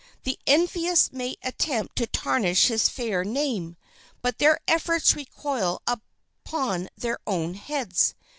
The envious may attempt to tarnish his fair name, but their efforts recoil upon their own heads.